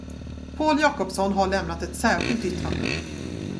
Pål Jacobsson har lämnat ett särskilt yttrande.